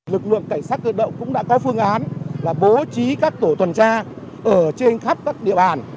lực lượng cảnh sát cơ động cũng đã có phương án là bố trí các tổ tuần tra ở trên khắp các địa bàn